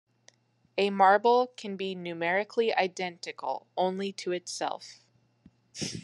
A marble can be numerically identical only to itself.